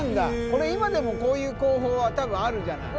これ今でもこういう工法は多分あるじゃない。